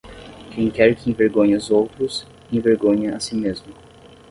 Quem quer que envergonhe os outros, envergonha a si mesmo.